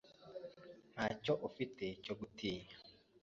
Ntacyo ufite cyo gutinya.